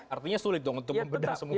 artinya sulit dong untuk membedah semua